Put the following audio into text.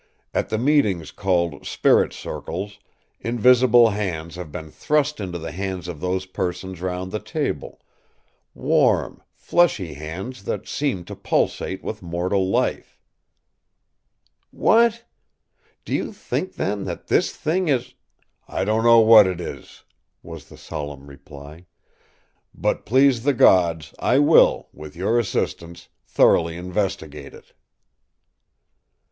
“At the meetings called ‘spirit circles,’ invisible hands have been thrust into the hands of those persons round the table—warm, fleshly hands that seemed to pulsate with mortal life.” “What? Do you think, then, that this thing is——” “I don’t know what it is,” was the solemn reply; “but please the gods I will, with your assistance, thoroughly investigate it.